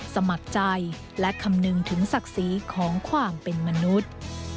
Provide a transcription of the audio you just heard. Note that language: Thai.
สมัครใจและคำนึงถึงศักดิ์ศรีของความเป็นมนุษย์